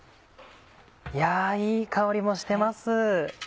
いやいい香りもしてます。